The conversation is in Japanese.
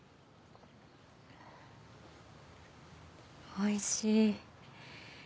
おいしい。